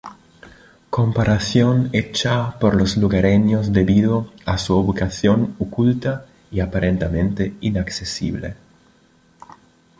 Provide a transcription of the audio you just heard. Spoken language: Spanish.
Comparación hecha por los lugareños debido a su ubicación oculta y aparentemente inaccesible.